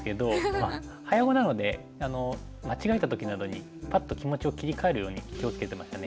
まあ早碁なので間違えた時などにパッと気持ちを切り替えるように気を付けてましたね。